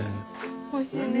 おいしいね。